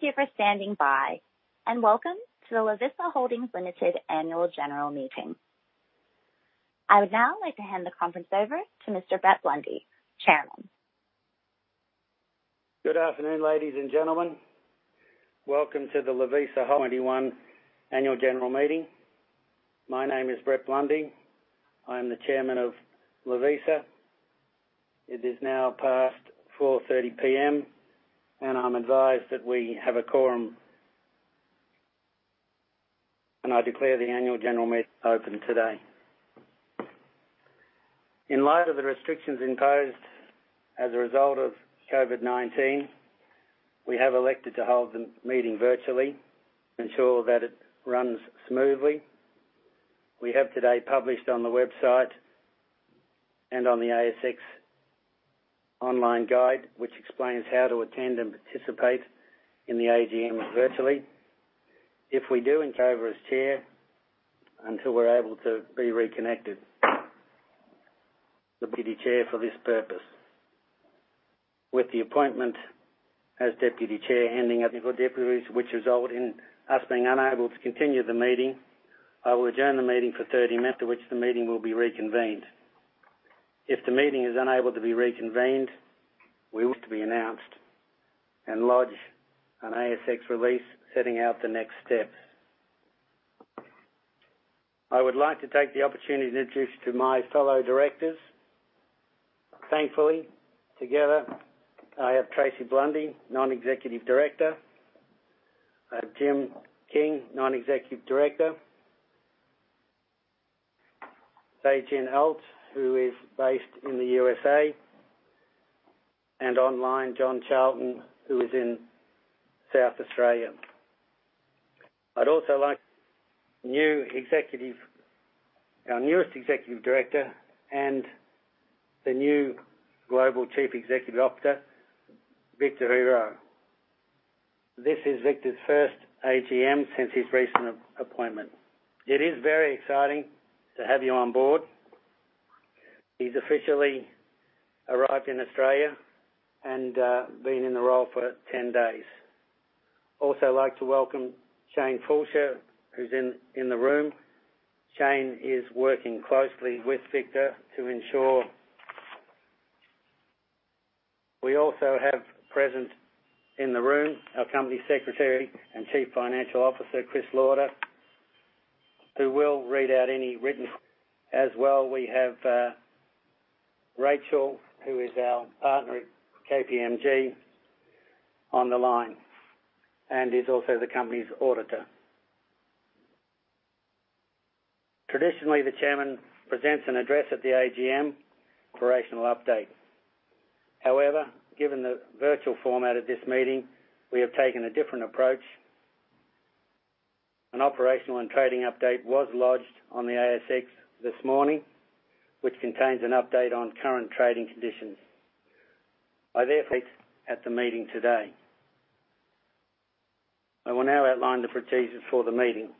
Thank you for standing by, and welcome to The Lovisa Holdings Limited Annual General Meeting. I would now like to hand the conference over to Mr. Brett Blundy, Chairman. Good afternoon, ladies and gentlemen. Welcome to the Lovisa Holdings 2021 annual general meeting. My name is Brett Blundy. I am the Chairman of Lovisa. It is now past 4:30 P.M., and I'm advised that we have a quorum. I declare the annual general meeting open today. In light of the restrictions imposed as a result of COVID-19, we have elected to hold the meeting virtually to ensure that it runs smoothly. We have today published on the website and on the ASX online guide, which explains how to attend and participate in the AGM virtually. I will act as Chair until we are able to be reconnected to the deputy chair for this purpose. With the appointment of the deputy chair, in the event that the chair and deputy are unable to continue the meeting, I will adjourn the meeting for 30 minutes after which the meeting will be reconvened. If the meeting is unable to be reconvened, we want to be announced and lodge an ASX release setting out the next steps. I would like to take the opportunity to introduce you to my fellow directors. Thankfully, together, I have Tracey Blundy, Non-Executive Director. I have James King, Non-Executive Director. Sei Jin Alt, who is based in the U.S.. Online, John Charlton, who is in South Australia. Our newest Executive Director and the new Global CEO, Victor Herrero. This is Victor's first AGM since his recent appointment. It is very exciting to have you on board. He's officially arrived in Australia and been in the role for 10 days. Also like to welcome Shane Fallscheer, who's in the room. Shane is working closely with Victor to ensure. We also have present in the room our Company Secretary and Chief Financial Officer, Chris Lauder, who will read out any written questions. As well, we have Rachel, who is our partner at KPMG on the line, and is also the company's auditor. Traditionally, the chairman presents an address at the AGM and an operational update. However, given the virtual format of this meeting, we have taken a different approach. An operational and trading update was lodged on the ASX this morning, which contains an update on current trading conditions. I therefore will not present an address at the meeting today. I will now outline the procedures for the meeting.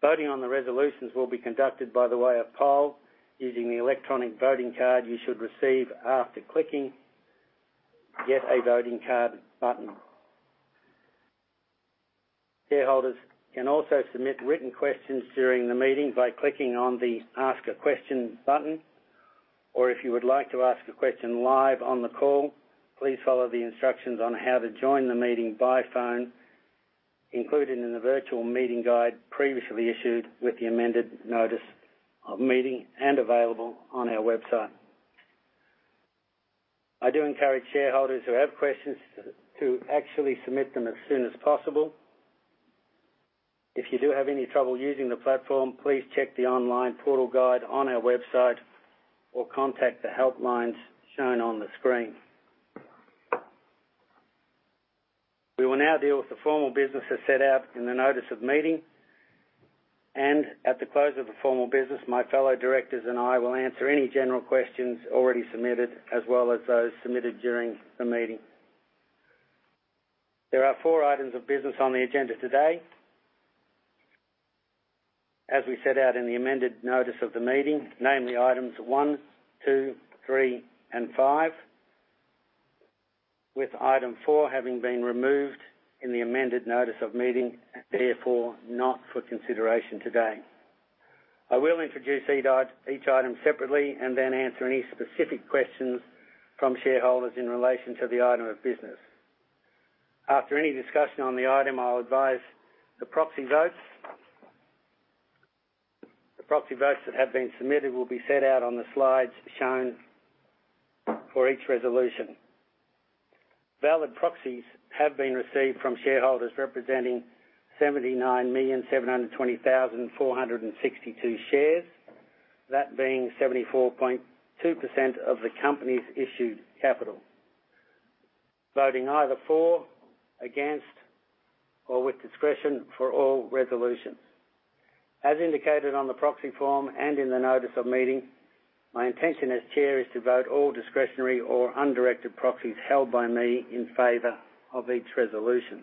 Voting on the resolutions will be conducted by way of poll using the electronic voting card you should receive after clicking the Get a Voting Card button. Shareholders can also submit written questions during the meeting by clicking on the Ask a Question button, or if you would like to ask a question live on the call, please follow the instructions on how to join the meeting by phone, including in the virtual meeting guide previously issued with the amended notice of meeting and available on our website. I do encourage shareholders who have questions to actually submit them as soon as possible. If you do have any trouble using the platform, please check the online portal guide on our website or contact the help lines shown on the screen. We will now deal with the formal business as set out in the notice of meeting, and at the close of the formal business, my fellow directors and I will answer any general questions already submitted, as well as those submitted during the meeting. There are four items of business on the agenda today. As we set out in the amended notice of the meeting, namely items one, two, three, and five, with item four having been removed in the amended notice of meeting, therefore, not for consideration today. I will introduce each item separately and then answer any specific questions from shareholders in relation to the item of business. After any discussion on the item, I'll advise the proxy votes. The proxy votes that have been submitted will be set out on the slides shown for each resolution. Valid proxies have been received from shareholders representing 79,720,462 shares, that being 74.2% of the company's issued capital, voting either for, against, or with discretion for all resolutions. As indicated on the proxy form and in the notice of meeting, my intention as Chair is to vote all discretionary or undirected proxies held by me in favor of each resolution.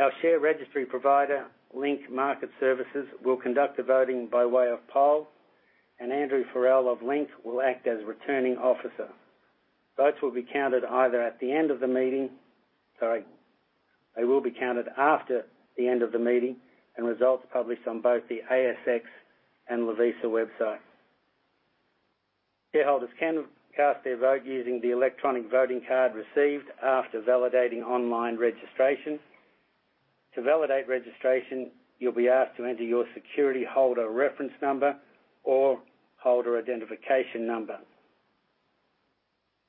Our share registry provider, Link Market Services, will conduct the voting by way of poll, and Andrew Farrell of Link will act as Returning Officer. They will be counted after the end of the meeting and results published on both the ASX and Lovisa website. Shareholders can cast their vote using the electronic voting card received after validating online registration. To validate registration, you'll be asked to enter your security holder reference number or holder identification number,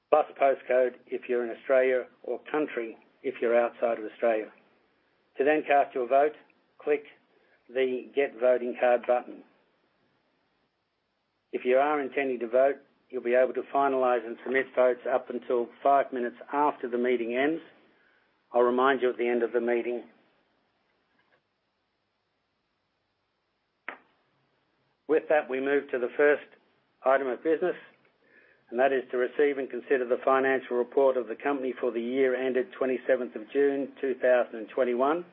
plus postcode if you're in Australia or country code, if you're outside of Australia. To then cast your vote, click the Get Voting Card button. If you are intending to vote, you'll be able to finalize and submit votes up until five minutes after the meeting ends. I'll remind you at the end of the meeting. With that, we move to the first item of business, and that is to receive and consider the financial report of the company for the year ended 27th of June 2021,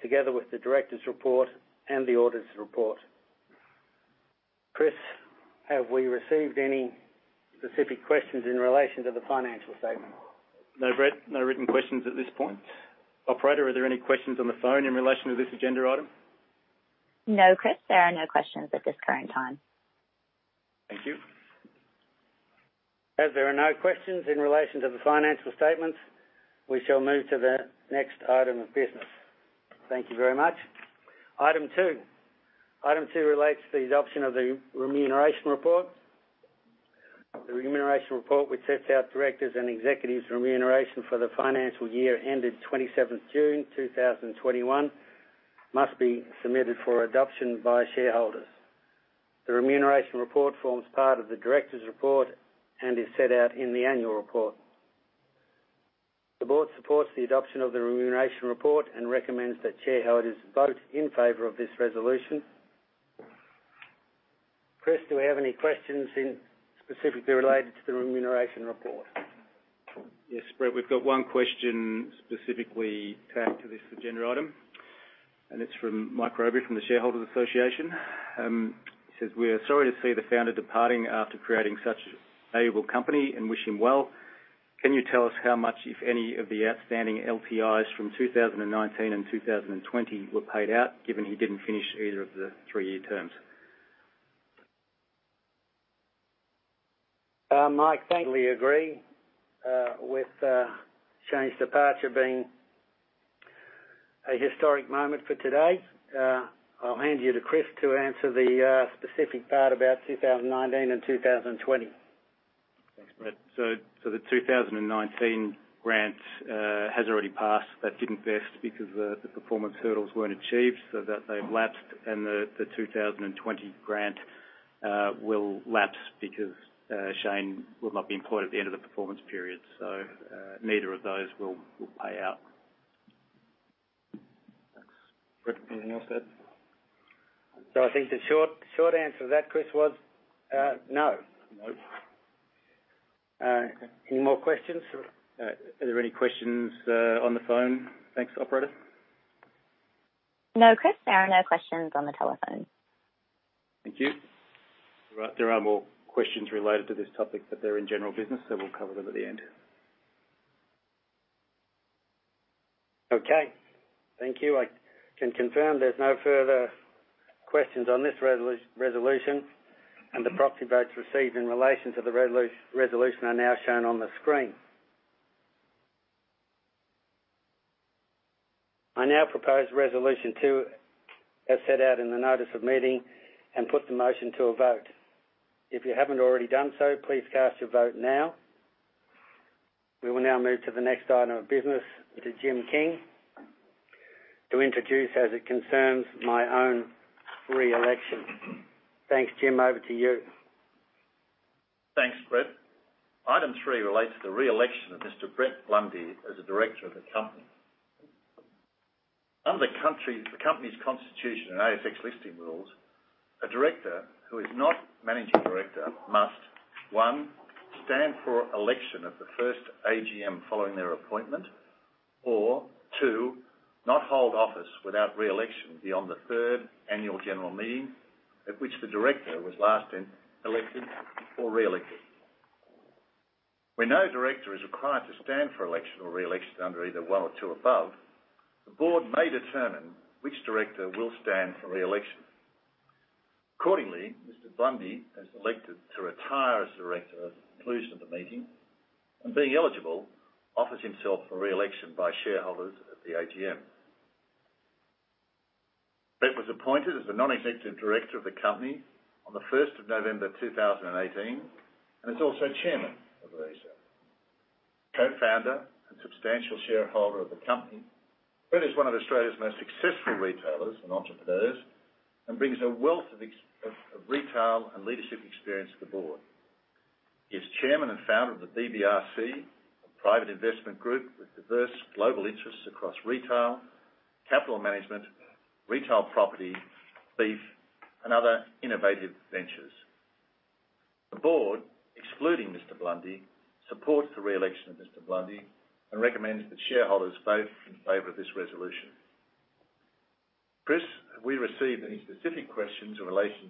together with the directors' report and the auditors' report. Chris, have we received any specific questions in relation to the financial statement? No, Brett. No written questions at this point. Operator, are there any questions on the phone in relation to this agenda item? No, Chris, there are no questions at this current time. Thank you. As there are no questions in relation to the financial statements, we shall move to the next item of business. Thank you very much. Item two. Item two relates to the adoption of the remuneration report. The remuneration report, which sets out directors' and executives' remuneration for the financial year ended 27th June 2021, must be submitted for adoption by shareholders. The remuneration report forms part of the directors' report and is set out in the annual report. The board supports the adoption of the remuneration report and recommends that shareholders vote in favor of this resolution. Chris, do we have any questions, specifically related to the remuneration report? Yes, Brett, we've got one question specifically tagged to this agenda item, and it's from Mike Robey from the Shareholders Association. He says, "We are sorry to see the founder departing after creating such a valuable company and wish him well. Can you tell us how much, if any, of the outstanding LTIs from 2019 and 2020 were paid out, given he didn't finish either of the three-year terms? Mike, I certainly agree with Shane's departure being a historic moment for today. I'll hand you to Chris to answer the specific part about 2019 and 2020. Thanks, Brett. The 2019 grant has already passed, but didn't vest because the performance hurdles weren't achieved, so that they've lapsed and the 2020 grant will lapse because Shane will not be employed at the end of the performance period. Neither of those will pay out. Thanks, Brett, anything else to add? I think the short answer to that, Chris, was no. No. Any more questions? Are there any questions on the phone? Thanks, operator. No, Chris, there are no questions on the telephone. Thank you. All right, there are more questions related to this topic, but they're in general business, so we'll cover them at the end. Okay. Thank you. I can confirm there's no further questions on this resolution, and the proxy votes received in relation to the resolution are now shown on the screen. I now propose resolution two as set out in the notice of meeting and put the motion to a vote. If you haven't already done so, please cast your vote now. We will now move to the next item of business to James King to introduce as it concerns my own re-election. Thanks, James. Over to you. Thanks, Brett. Item three relates to the re-election of Mr. Brett Blundy as a director of the company. Under the company's constitution and ASX listing rules, a director who is not managing director must, one, stand for election at the first AGM following their appointment or, two, not hold office without re-election beyond the third annual general meeting at which the director was last elected or re-elected. Where no director is required to stand for election or re-election under either one or two above, the board may determine which director will stand for re-election. Accordingly, Mr. Blundy has elected to retire as a director at the conclusion of the meeting and being eligible, offers himself for re-election by shareholders at the AGM. Brett was appointed as a non-executive director of the company on the first of November 2018 and is also chairman of Lovisa. Co-founder and substantial shareholder of the company, Brett is one of Australia's most successful retailers and entrepreneurs and brings a wealth of retail and leadership experience to the board. He is chairman and founder of the BBRC, a private investment group with diverse global interests across retail, capital management, retail property, beef, and other innovative ventures. The board, excluding Mr. Blundy, supports the reelection of Mr. Blundy and recommends that shareholders vote in favor of this resolution. Chris, have we received any specific questions in relation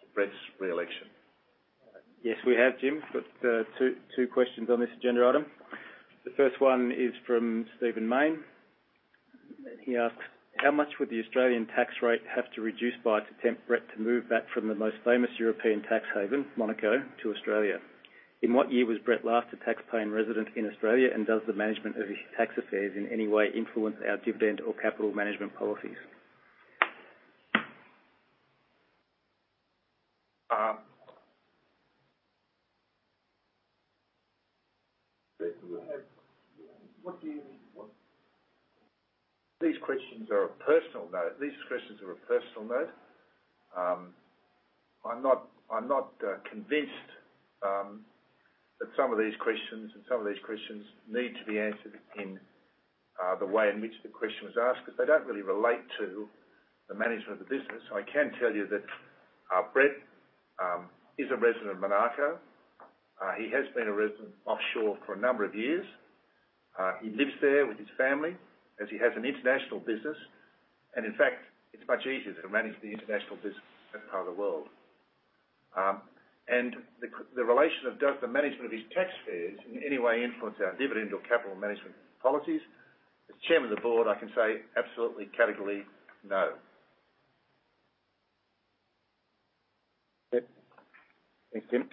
to Brett's reelection? Yes, we have, James. Got two questions on this agenda item. The first one is from Stephen Mayne. He asks, "How much would the Australian tax rate have to reduce by to tempt Brett to move back from the most famous European tax haven, Monaco, to Australia? In what year was Brett last a taxpaying resident in Australia? And does the management of his tax affairs in any way influence our dividend or capital management policies? Brett, what do you want? These questions are of a personal nature. I'm not convinced that some of these questions need to be answered in the way in which the question was asked, because they don't really relate to the management of the business. I can tell you that Brett is a resident of Monaco. He has been a resident offshore for a number of years. He lives there with his family as he has an international business. In fact, it's much easier to manage the international business from that part of the world. The question of, does the management of his tax affairs in any way influence our dividend or capital management policies? As chairman of the board, I can say absolutely, categorically no. Yep. Thanks, James.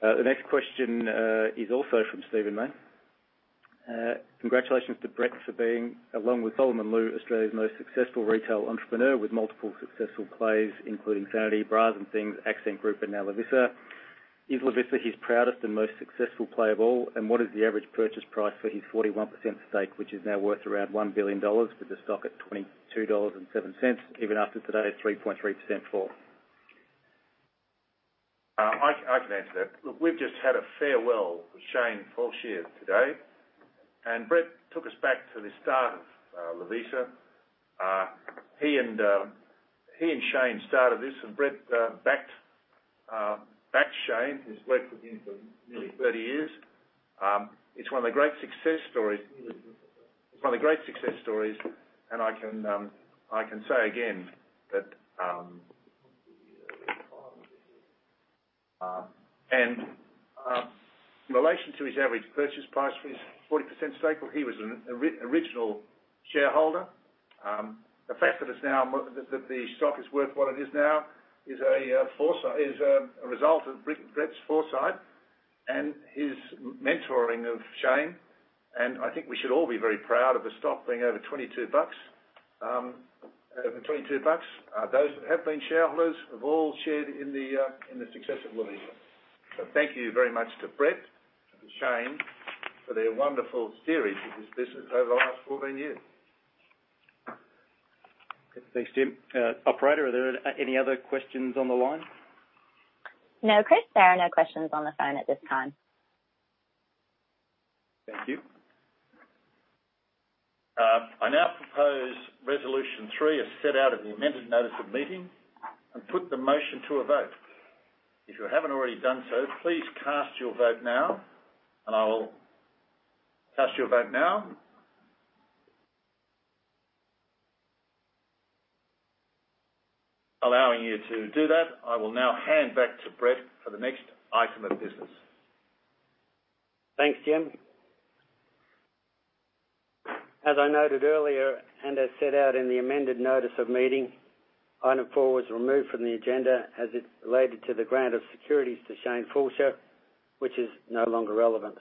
The next question is also from Stephen Mayne. "Congratulations to Brett for being, along with Solomon Lew, Australia's most successful retail entrepreneur with multiple successful plays, including Sanity, Bras N Things, Accent Group, and now Lovisa. Is Lovisa his proudest and most successful play of all? And what is the average purchase price for his 41% stake, which is now worth around 1 billion dollars with the stock at 22.07 dollars, even after today's 3.3% fall? I can answer that. Look, we've just had a farewell with Shane Fallscheer today, and Brett took us back to the start of Lovisa. He and Shane started this, and Brett backed Shane, who's worked with him for nearly 30 years. It's one of the great success stories, and I can say again that in relation to his average purchase price for his 40% stake, well he was an original shareholder. The fact that the stock is worth what it is now is a result of Brett's foresight and his mentoring of Shane. I think we should all be very proud of the stock being over 22 bucks. Over 22 bucks. Those that have been shareholders have all shared in the success of Lovisa. Thank you very much to Brett and Shane for their wonderful steering of this business over the last 14 years. Okay. Thanks, James. Operator, are there any other questions on the line? No, Chris, there are no questions on the phone at this time. Thank you. I now propose resolution three as set out in the amended notice of meeting and put the motion to a vote. If you haven't already done so, please cast your vote now. Allowing you to do that, I will now hand back to Brett for the next item of business. Thanks, James. As I noted earlier, and as set out in the amended notice of meeting, item four was removed from the agenda as it related to the grant of securities to Shane Fallscheer, which is no longer relevant.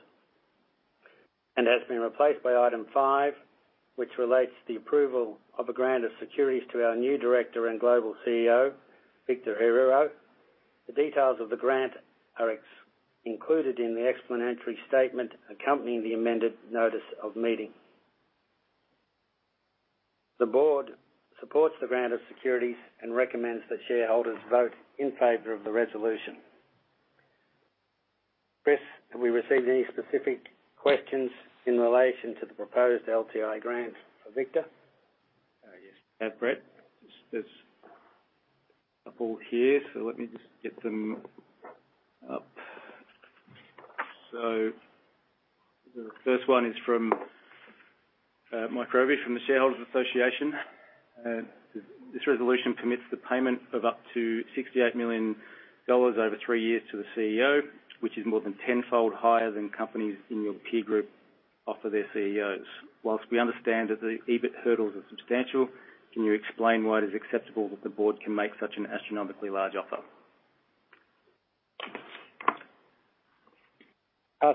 Has been replaced by item five, which relates to the approval of a grant of securities to our new Director and Global CEO, Victor Herrero. The details of the grant are included in the explanatory statement accompanying the amended notice of meeting. The board supports the grant of securities and recommends that shareholders vote in favor of the resolution. Chris, have we received any specific questions in relation to the proposed LTI grant for Victor? Yes, we have, Brett. There's a couple here, so let me just get them up. The first one is from Mike Robey from the Australian Shareholders' Association. "This resolution commits the payment of up to 68 million dollars over three years to the CEO, which is more than tenfold higher than companies in your peer group offer their CEOs. While we understand that the EBIT hurdles are substantial, can you explain why it is acceptable that the board can make such an astronomically large offer?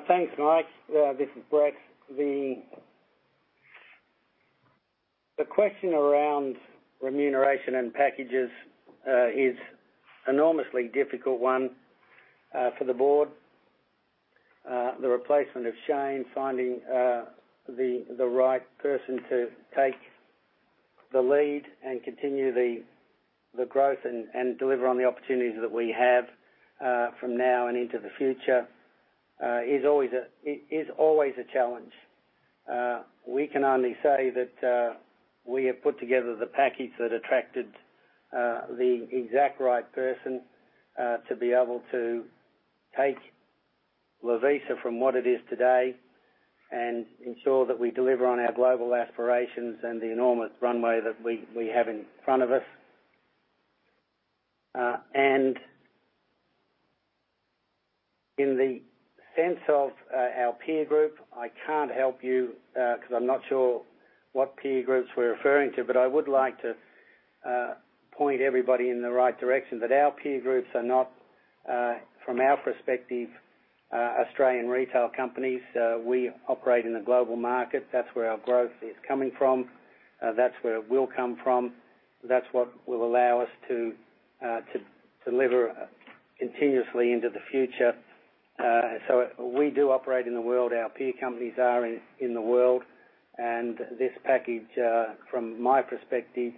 Thanks, Mike. This is Brett. The question around remuneration and packages is an enormously difficult one for the board. The replacement of Shane, finding the right person to take the lead and continue the growth and deliver on the opportunities that we have from now and into the future, is always a challenge. We can only say that we have put together the package that attracted the exact right person to be able to take Lovisa from what it is today and ensure that we deliver on our global aspirations and the enormous runway that we have in front of us. In the sense of our peer group, I can't help you because I'm not sure what peer groups we're referring to. I would like to point everybody in the right direction that our peer groups are not, from our perspective, Australian retail companies. We operate in a global market. That's where our growth is coming from. That's where it will come from. That's what will allow us to deliver continuously into the future. We do operate in the world. Our peer companies are in the world. This package, from my perspective,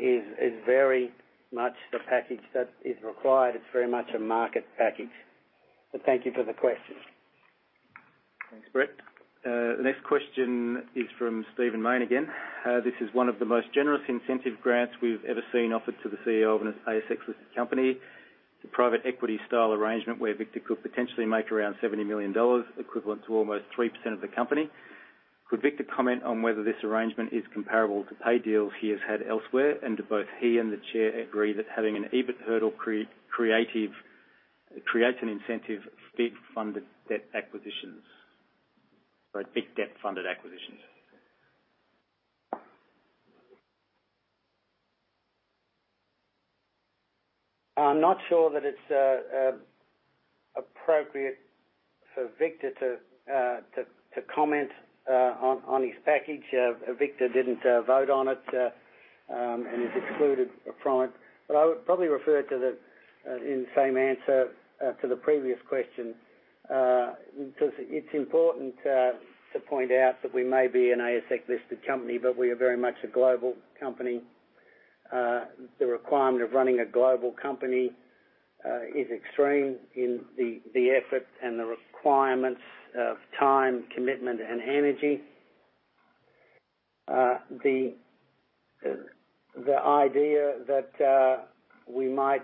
is very much the package that is required. It's very much a market package. Thank you for the question. Thanks, Brett. The next question is from Stephen Mayne again. This is one of the most generous incentive grants we've ever seen offered to the CEO of an ASX listed company. The private equity style arrangement where Victor could potentially make around 70 million dollars, equivalent to almost 3% of the company. Could Victor comment on whether this arrangement is comparable to pay deals he has had elsewhere? Do both he and the chair agree that having an EBIT hurdle creative creates an incentive for big funded debt acquisitions, or big debt-funded acquisitions? I'm not sure that it's appropriate for Victor to comment on his package. Victor didn't vote on it and is excluded from it. I would probably refer to the in the same answer to the previous question because it's important to point out that we may be an ASX listed company, but we are very much a global company. The requirement of running a global company is extreme in the effort and the requirements of time, commitment, and energy. The idea that we might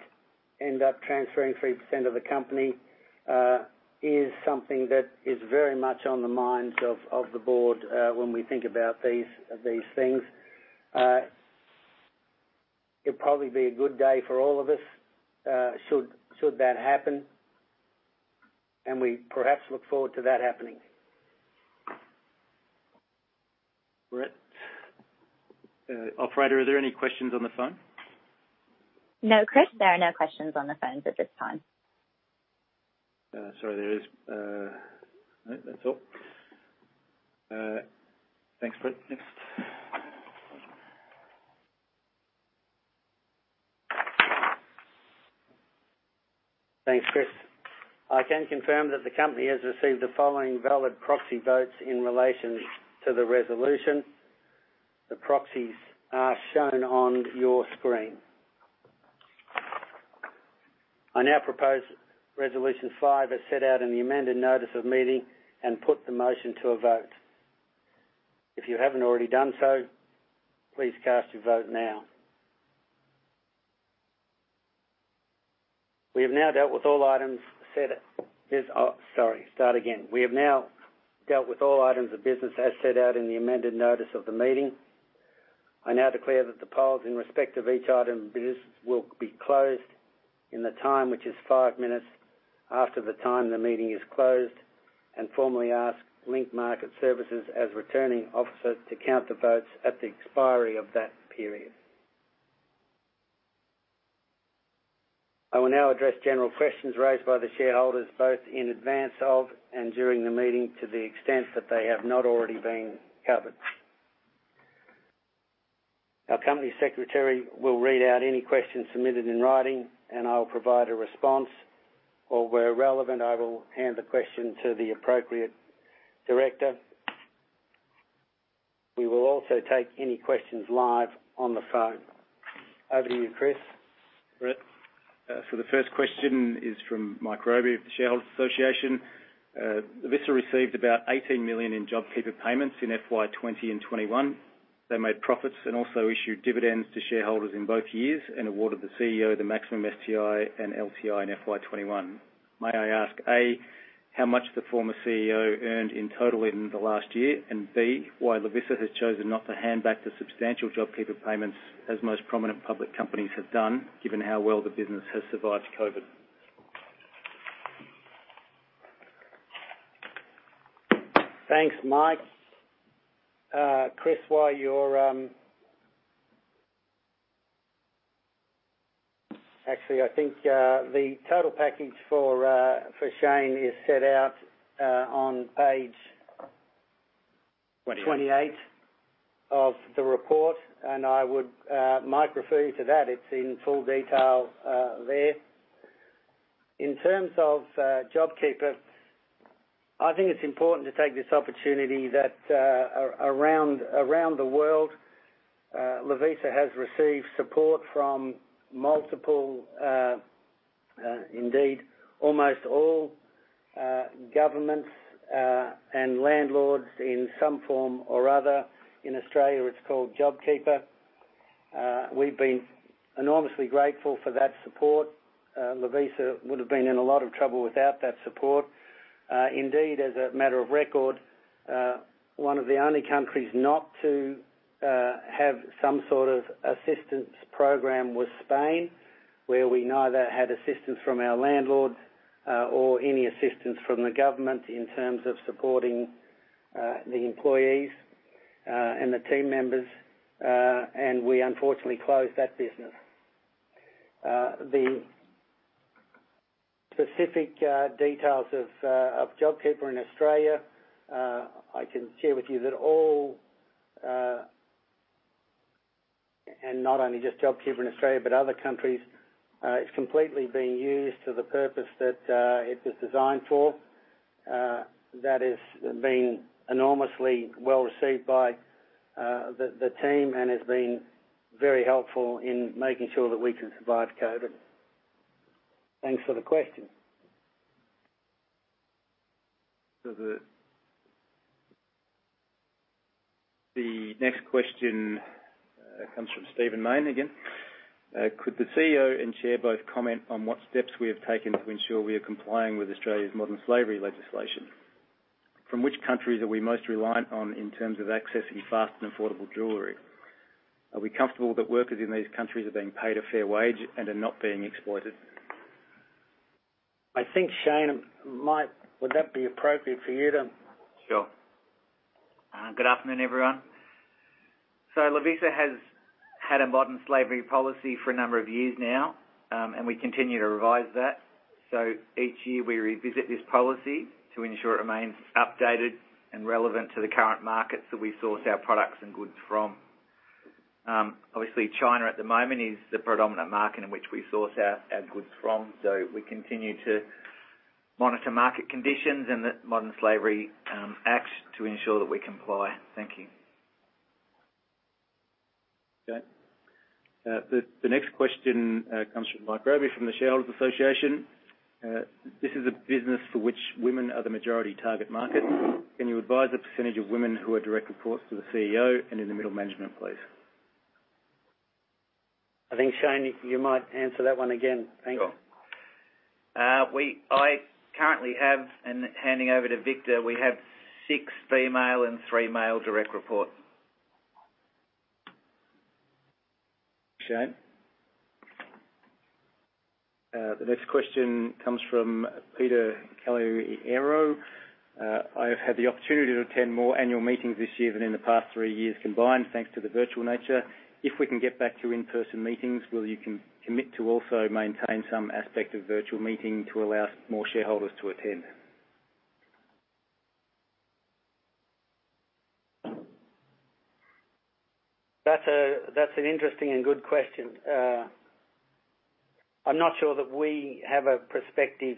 end up transferring 3% of the company is something that is very much on the minds of the board when we think about these things. It'd probably be a good day for all of us, should that happen, and we perhaps look forward to that happening. Brett. Operator, are there any questions on the phone? No, Chris, there are no questions on the phones at this time. Sorry, there is. All right. That's all. Thanks, Brett. Next. Thanks, Chris. I can confirm that the company has received the following valid proxy votes in relation to the resolution. The proxies are shown on your screen. I now propose resolution five as set out in the amended notice of meeting and put the motion to a vote. If you haven't already done so, please cast your vote now. We have now dealt with all items of business as set out in the amended notice of the meeting. I now declare that the polls in respect of each item of business will be closed in the time, which is five minutes after the time the meeting is closed, and formally ask Link Market Services as returning officer to count the votes at the expiry of that period. I will now address general questions raised by the shareholders, both in advance of and during the meeting, to the extent that they have not already been covered. Our Company Secretary will read out any questions submitted in writing, and I will provide a response or where relevant, I will hand the question to the appropriate director. We will also take any questions live on the phone. Over to you, Chris. Brett. The first question is from Mike Robey of the Australian Shareholders' Association. Lovisa received about 18 million in JobKeeper payments in FY 2020 and 2021. They made profits and also issued dividends to shareholders in both years and awarded the CEO the maximum STI and LTI in FY 2021. May I ask, A, how much the former CEO earned in total in the last year? And B, why Lovisa has chosen not to hand back the substantial JobKeeper payments, as most prominent public companies have done, given how well the business has survived COVID? Thanks, Mike. Actually, I think the total package for Shane is set out on page. 28. 28 of the report, and I would, Mike, refer you to that. It's in full detail there. In terms of JobKeeper, I think it's important to take this opportunity that around the world Lovisa has received support from multiple, indeed almost all, governments and landlords in some form or other. In Australia, it's called JobKeeper. We've been enormously grateful for that support. Lovisa would have been in a lot of trouble without that support. Indeed, as a matter of record, one of the only countries not to have some sort of assistance program was Spain, where we neither had assistance from our landlord or any assistance from the government in terms of supporting the employees and the team members, and we unfortunately closed that business. The specific details of JobKeeper in Australia, I can share with you that all. Not only just JobKeeper in Australia, but other countries, it's completely being used to the purpose that it was designed for. That has been enormously well-received by the team and has been very helpful in making sure that we can survive COVID. Thanks for the question. The next question comes from Stephen Mayne again. Could the CEO and Chair both comment on what steps we have taken to ensure we are complying with Australia's Modern Slavery Act? From which countries are we most reliant on in terms of accessing fast and affordable jewelry? Are we comfortable that workers in these countries are being paid a fair wage and are not being exploited? I think, Shane, would that be appropriate for you to Sure. Good afternoon, everyone. Lovisa has had a modern slavery policy for a number of years now, and we continue to revise that. Each year we revisit this policy to ensure it remains updated and relevant to the current markets that we source our products and goods from. Obviously China at the moment is the predominant market in which we source our goods from. We continue to monitor market conditions and the Modern Slavery Act to ensure that we comply. Thank you. Okay. The next question comes from Mike Robey from the Shareholders' Association. This is a business for which women are the majority target market. Can you advise the percentage of women who are direct reports to the CEO and in the middle management, please? I think, Shane, you might answer that one again. Thank you. Sure. I currently have, and handing over to Victor, we have six female and three male direct reports. Shane? The next question comes from Peter Calliero. I've had the opportunity to attend more annual meetings this year than in the past three years combined, thanks to the virtual nature. If we can get back to in-person meetings, will you commit to also maintain some aspect of virtual meeting to allow more shareholders to attend? That's an interesting and good question. I'm not sure that we have a perspective.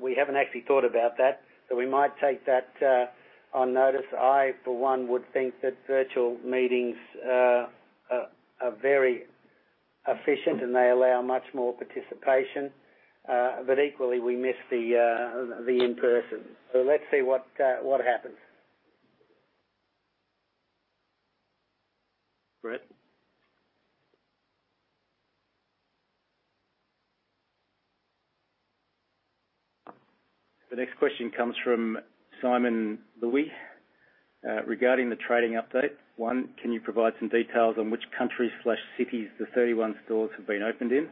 We haven't actually thought about that, but we might take that on notice. I, for one, would think that virtual meetings are very efficient, and they allow much more participation. Equally, we miss the in-person. Let's see what happens. Brett? The next question comes from Simon Louie. Regarding the trading update, one, can you provide some details on which countries/cities the 31 stores have been opened in?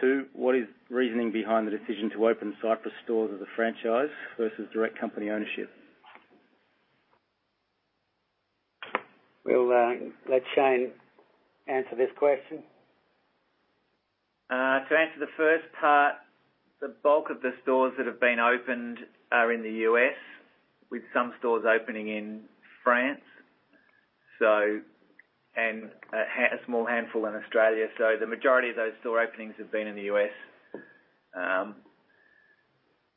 Two, what is reasoning behind the decision to open Cyprus stores as a franchise versus direct company ownership? We'll let Shane answer this question. To answer the first part, the bulk of the stores that have been opened are in the U.S., with some stores opening in France, a small handful in Australia. The majority of those store openings have been in the U.S.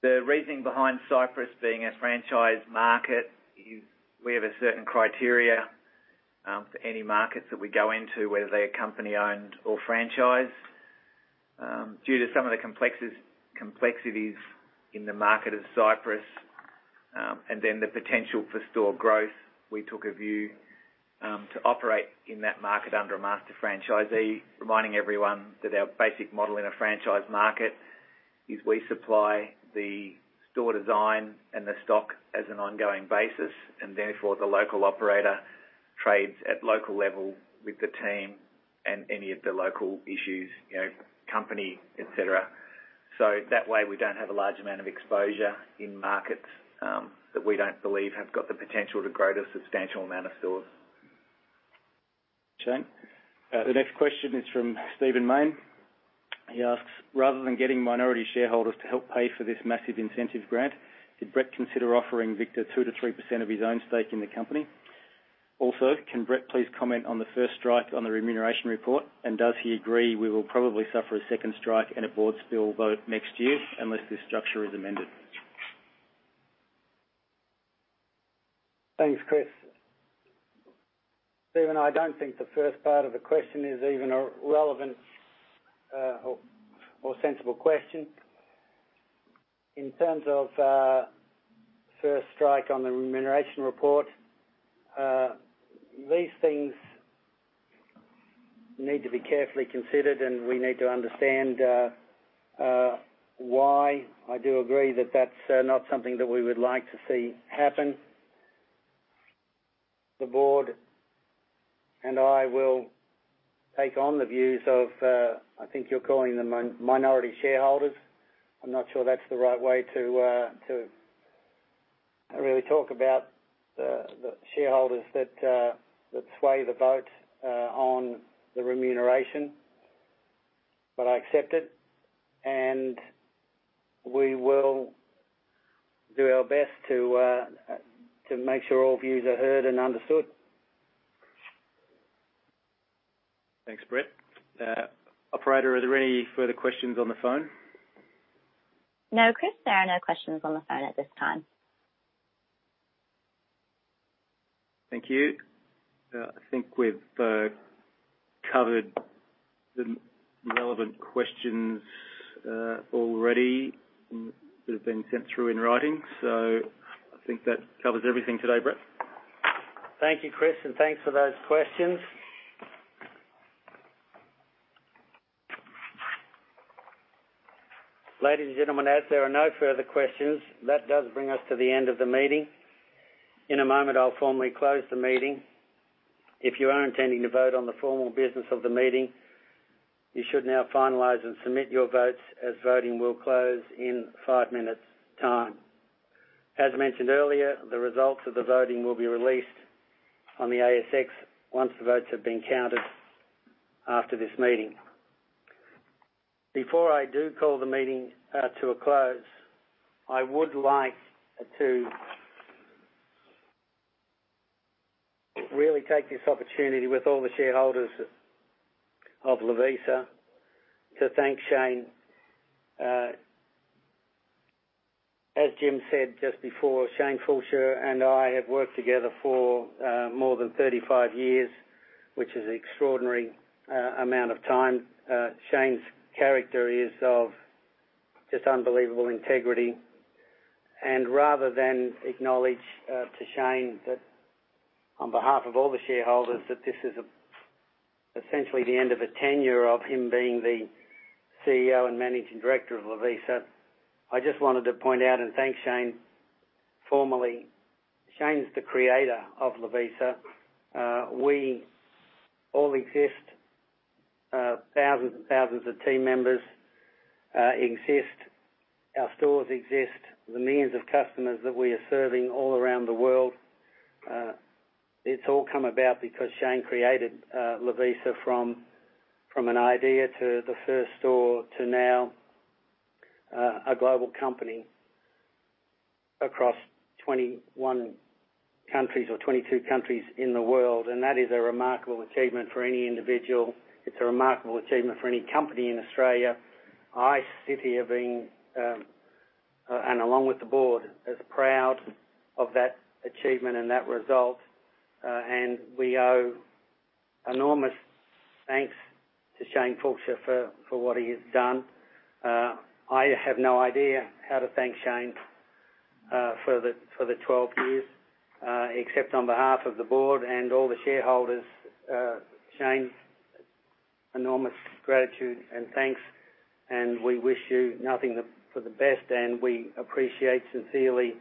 The reasoning behind Cyprus being a franchise market is we have a certain criteria for any markets that we go into, whether they're company-owned or franchised. Due to some of the complexities in the market of Cyprus, and then the potential for store growth, we took a view to operate in that market under a master franchisee, reminding everyone that our basic model in a franchise market is we supply the store design and the stock on an ongoing basis, and therefore, the local operator trades at local level with the team and any of the local issues, you know, company, et cetera. That way we don't have a large amount of exposure in markets that we don't believe have got the potential to grow a substantial amount of stores. Shane, the next question is from Stephen Mayne. He asks, rather than getting minority shareholders to help pay for this massive incentive grant, did Brett consider offering Victor 2% to 3% of his own stake in the company? Also, can Brett please comment on the first strike on the remuneration report, and does he agree we will probably suffer a second strike and a board spill vote next year unless this structure is amended? Thanks, Chris. Stephen, I don't think the first part of the question is even a relevant or sensible question. In terms of first strike on the remuneration report, these things need to be carefully considered, and we need to understand why I do agree that that's not something that we would like to see happen. The board and I will take on the views of, I think you're calling them minority shareholders. I'm not sure that's the right way to really talk about the shareholders that sway the vote on the remuneration. I accept it, and we will do our best to make sure all views are heard and understood. Thanks, Brett. Operator, are there any further questions on the phone? No, Chris, there are no questions on the phone at this time. Thank you. I think we've covered the relevant questions already that have been sent through in writing. I think that covers everything today, Brett. Thank you, Chris, and thanks for those questions. Ladies and gentlemen, as there are no further questions, that does bring us to the end of the meeting. In a moment, I'll formally close the meeting. If you are intending to vote on the formal business of the meeting, you should now finalize and submit your votes as voting will close in five minutes time. As mentioned earlier, the results of the voting will be released on the ASX once the votes have been counted after this meeting. Before I do call the meeting to a close, I would like to really take this opportunity with all the shareholders of Lovisa to thank Shane. As Jim said just before, Shane Fallscheer and I have worked together for more than 35 years, which is an extraordinary amount of time. Shane's character is of just unbelievable integrity. Rather than acknowledge to Shane that on behalf of all the shareholders that this is essentially the end of a tenure of him being the CEO and Managing Director of Lovisa, I just wanted to point out and thank Shane formally. Shane's the creator of Lovisa. We all exist, thousands and thousands of team members exist, our stores exist, the millions of customers that we are serving all around the world. It's all come about because Shane created Lovisa from an idea to the first store to now a global company across 21 countries or 22 countries in the world. That is a remarkable achievement for any individual. It's a remarkable achievement for any company in Australia. I sit here being and along with the board, as proud of that achievement and that result. We owe enormous thanks to Shane Fallscheer for what he has done. I have no idea how to thank Shane for the 12 years, except on behalf of the board and all the shareholders. Shane, enormous gratitude and thanks, and we wish you nothing but the best. We appreciate sincerely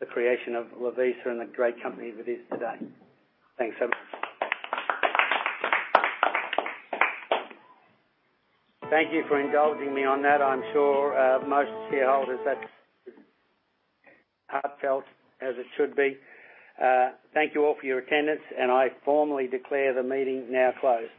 the creation of Lovisa and the great company that it is today. Thanks so much. Thank you for indulging me on that. I'm sure most shareholders that's heartfelt, as it should be. Thank you all for your attendance, and I formally declare the meeting now closed.